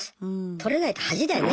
取れないと恥だよね。